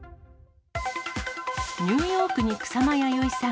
ニューヨークに草間彌生さん。